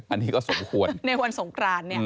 อันนี้ก็สมควร